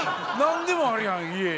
何でもあるやん家。